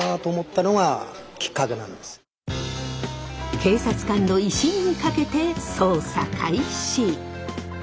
警察官の威信にかけて捜査開始。